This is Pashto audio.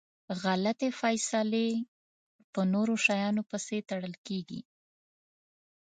غلطي فیصلی په نورو شیانو پسي تړل کیږي.